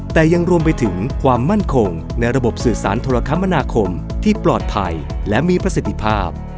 แต่ยังรวมไปถึงความมั่นคงในระบบสื่อสารธรรมนาคมที่ปลอดภัยและมีประสิทธิภาพ